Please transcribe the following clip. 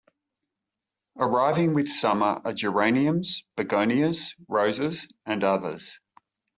Arriving with summer are geraniums, begonias, roses, and others.